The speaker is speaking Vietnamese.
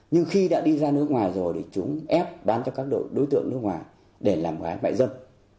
nhưng khi đã đi ra nước ngoài rồi thì chúng ép bán cho các đối tượng nước ngoài để làm hóa mại dâm